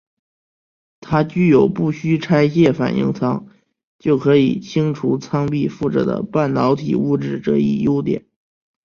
它具有不需拆卸反应舱就可以清除舱壁附着的半导体物质这一优点。